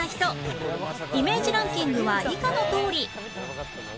イメージランキングは以下の通り